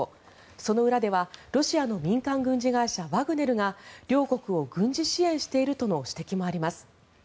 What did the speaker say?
その裏ではロシアの民間軍事会社ワグネルが両国を軍事支援しているとの指摘もあります。